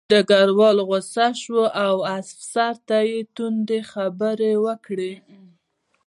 ډګروال غوسه شو او افسر ته یې تندې خبرې وکړې